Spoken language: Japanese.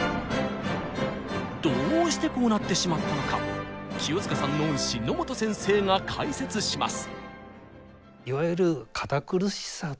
どうしてこうなってしまったのか清塚さんの恩師野本先生が解説します！